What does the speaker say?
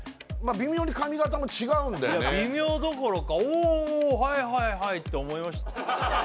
微妙に髪型も違うんだよねいや微妙どころか「おおはいはいはい」って思いました